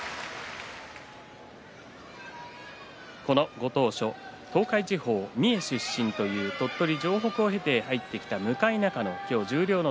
ご当所東海地方、三重出身という鳥取城北高校から入ってきた向中野。